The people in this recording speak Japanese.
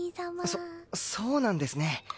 そそうなんですね。